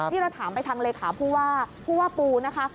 นี่เราถามไปทางเลขาผู้ว่าผู้ว่าปูนะคะ